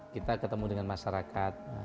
kita ketemu dengan masyarakat